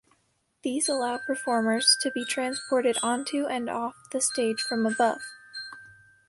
These allow performers to be transported onto and off the stage from above.